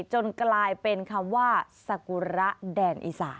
จนกลายเป็นคำว่าสกุระแดนอีสาน